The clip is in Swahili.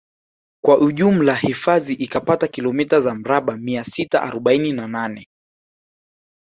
Kwa ujumla hifadhi ikapata kilomita za mraba mia sita arobaini na nane